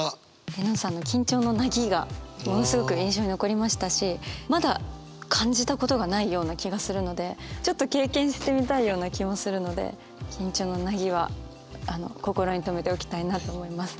絵音さんの「緊張の凪」がものすごく印象に残りましたしまだ感じたことがないような気がするのでちょっと経験してみたいような気もするので「緊張の凪」は心に留めておきたいなと思います。